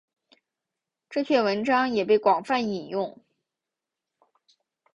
这篇文章也被广泛引用。